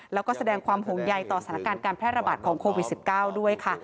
แล้วก็แสดงความห่วงใยต่อสถานการณ์การแพร่ระบาดของโควิด๑๙ด้วยค่ะ